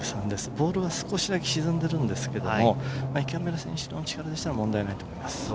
ボールが少しだけ沈んでるんですけど、池村選手の力だったら問題ないと思います。